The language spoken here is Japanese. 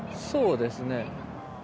そうですね。